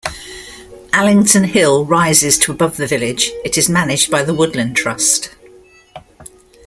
Allington Hill rises to above the village; it is managed by the Woodland Trust.